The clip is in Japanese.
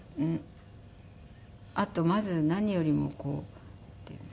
あとまず何よりもなんていうのかな。